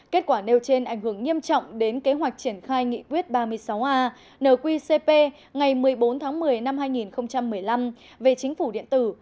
kết quả nêu trên ảnh hưởng nghiêm trọng đến kế hoạch triển khai nghị quyết ba mươi sáu a nqcp ngày một mươi bốn tháng một mươi năm hai nghìn một mươi năm về chính phủ điện tử